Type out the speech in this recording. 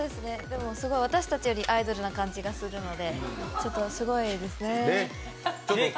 私たちよりアイドルな感じがするのですごいです。